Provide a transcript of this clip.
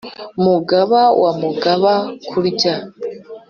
mugaba wa mugaba kurya,